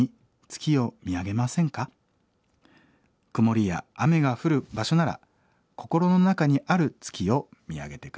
曇りや雨が降る場所なら心の中にある月を見上げて下さい。